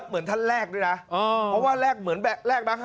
เหมือนท่านแรกด้วยนะเพราะว่าแรกแบงค์๕๐๐